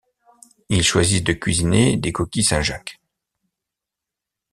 Ils choisissent de cuisiner des Coquilles St Jacques.